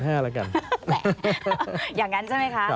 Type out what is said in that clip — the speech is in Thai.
อย่างนั้นใช่ไหมคะ